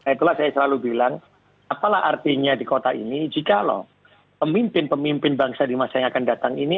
itulah saya selalu bilang apalah artinya di kota ini jika loh pemimpin pemimpin bangsa di masa yang akan datang ini